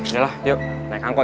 yaudah yuk naik angkot kita